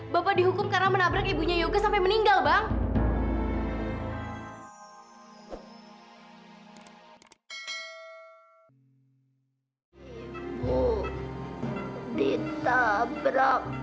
bapak pernah menabrak orang sampai mati mawar